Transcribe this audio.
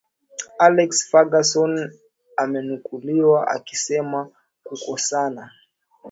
alex furgason amenukuliwa akisema kukosekana